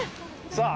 さあ